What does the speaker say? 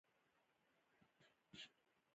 کچیرې د یو چا سره ریښتینې مینه ولرئ.